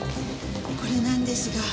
これなんですが。